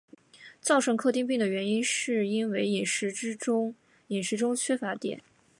造成克汀病的原因是因为饮食中缺乏碘。